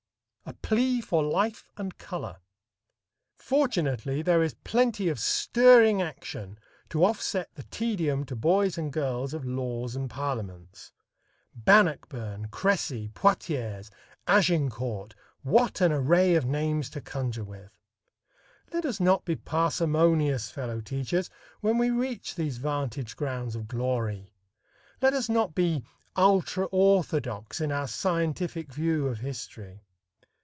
A Plea for Life and Color. Fortunately there is plenty of stirring action to offset the tedium (to boys and girls) of laws and parliaments. Bannockburn, Crecy, Poitiers, Agincourt what an array of names to conjure with! Let us not be parsimonious, fellow teachers, when we reach these vantage grounds of glory! Let us not be ultra orthodox in our scientific view of history.